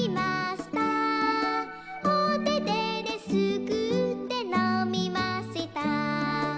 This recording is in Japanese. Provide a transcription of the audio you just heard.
「おててですくってのみました」